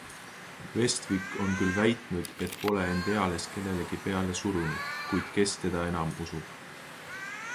Westwick on küll väitnud, et pole end eales kellelegi peale surunud, kuid kes teda enam usub.